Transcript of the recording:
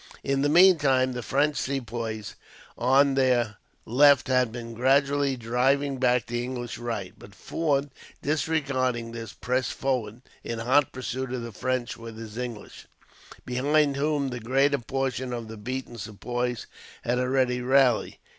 In the meantime, the French Sepoys on their left had been gradually driving back the English right; but Forde, disregarding this, pressed forward in hot pursuit of the French with his English, behind whom the greater portion of the beaten Sepoys had already rallied.